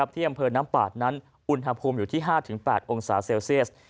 ที่อำเภอน้ำปาดนั้นอุณหภูมิอยู่ที่๕๘องศาเซลเซียส